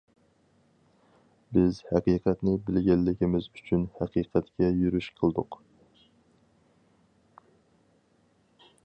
بىز ھەقىقەتنى بىلگەنلىكىمىز ئۈچۈن ھەقىقەتكە يۈرۈش قىلدۇق.